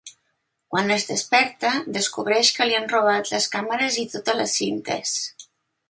Quan es desperta descobreix que li han robat les càmeres i totes les cintes.